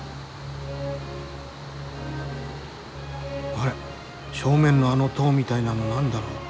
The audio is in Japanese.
あれ正面のあの塔みたいなの何だろう。